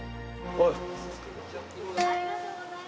はい！